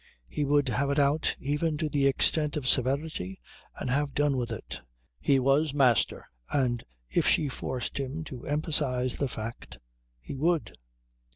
He would have it out even to the extent of severity and have done with it. He was master, and if she forced him to emphasize the fact he would.